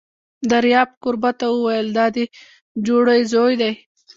دریاب کوربه ته وویل: دا دې جوړې زوی دی!